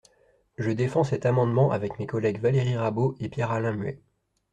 Je défends cet amendement avec mes collègues Valérie Rabault et Pierre-Alain Muet.